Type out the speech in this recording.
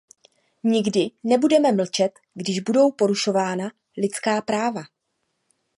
Nikdy nebudeme mlčet, když budou porušována lidská práva.